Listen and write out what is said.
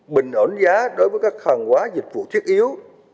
bình ổn giá đối với các hàng hóa dịch vụ thiết yếu